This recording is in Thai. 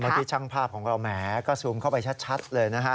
ที่ช่างภาพของเราแหมก็ซูมเข้าไปชัดเลยนะฮะ